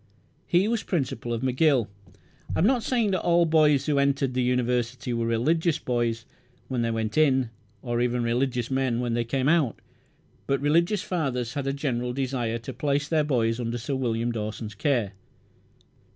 He was principal of McGill. I am not saying that all boys who entered that University were religious boys when they went in, or even religious men when they came out; but religious fathers had a general desire to place their boys under Sir William Dawson's care.